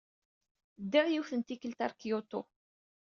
Ddiɣ yiwet n tikkelt ɣer Kyoto.